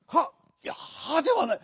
いや「はっ」ではない。